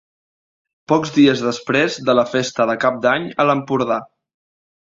Pocs dies després de la festa de Cap d'Any a l'Empordà.